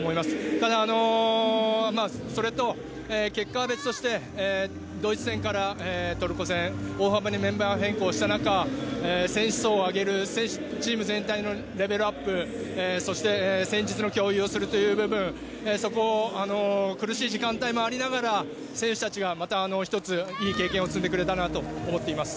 ただ結果は別として、ドイツ戦からトルコ戦、大幅にメンバー変更した中、選手層を上げる、チーム全体のレベルアップ、そして戦術の共有をするという部分、そこを苦しい時間帯もありながら、選手たちがまた１つ、いい経験を積んでくれたなと思っています。